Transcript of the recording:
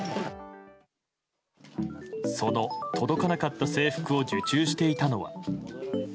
その、届かなかった制服を受注していたのは。